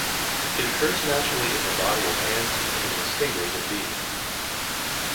It occurs naturally in the body of ants and in the stingers of bees.